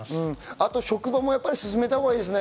あと職場も進めたほうがいいですね。